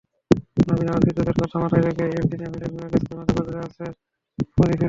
নবীন আলোকচিত্রীদের কথা মাথায় রেখে এন্ট্রি লেভেলের মিররলেস ক্যামেরা বাজারে আনছে ফুজিফিল্ম।